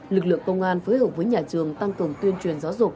lực lượng công an phối hợp với nhà trường tăng cường tuyên truyền giáo dục